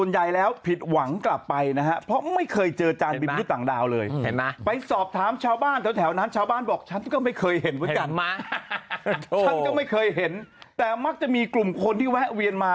ฉันก็ไม่เคยเห็นแต่มักจะมีกลุ่มคนที่แวะเวียนมา